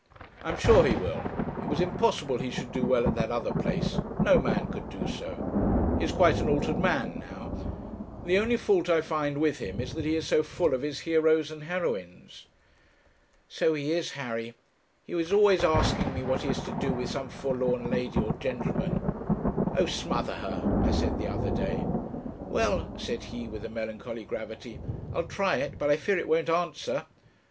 'I am sure he will. It was impossible he should do well at that other place. No man could do so. He is quite an altered man now. The only fault I find with him is that he is so full of his heroes and heroines.' 'So he is, Harry; he is always asking me what he is to do with some forlorn lady or gentleman, 'Oh, smother her!' I said the other day. 'Well,' said he, with a melancholy gravity, 'I'll try it; but I fear it won't answer.'